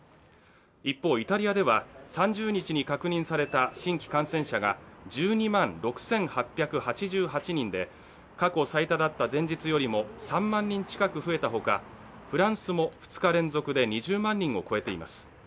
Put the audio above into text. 一方、イタリアでは３０日に確認された新規感染者が、１２万６８８８人で、過去最多だった前日よりも３万人近く増えたほか、フランスも２日連続で２０万人を超えています。